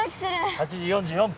８時４４分。